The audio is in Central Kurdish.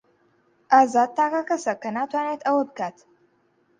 ئازاد تاکە کەسە کە ناتوانێت ئەوە بکات.